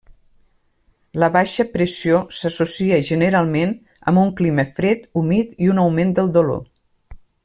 La baixa pressió s'associa, generalment, amb un clima fred, humit i un augment del dolor.